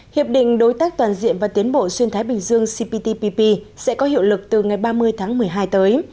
hiệp định đối tác toàn diện và tiến bộ xuyên thái bình dương cptpp sẽ có hiệu lực từ ngày ba mươi tháng một mươi hai tới